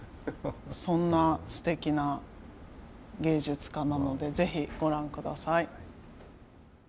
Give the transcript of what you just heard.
そんなすてきな芸術家なのでぜひご覧下さい。